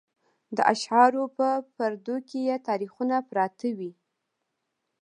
د اشعارو په پردو کې یې تاریخونه پراته وي.